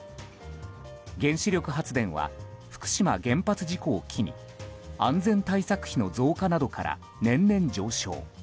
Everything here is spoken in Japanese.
原子力発電は福島原発事故を機に安全対策費の増加などから年々上昇。